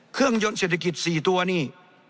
เครื่องยนต์เศรษฐกิจ๔ตัวนี่